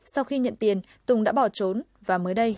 sau khi nhận tiền tùng đã bỏ trốn và mới đây đã bị bắt